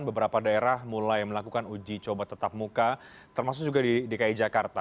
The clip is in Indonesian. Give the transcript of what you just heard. beberapa daerah mulai melakukan uji coba tetap muka termasuk juga di dki jakarta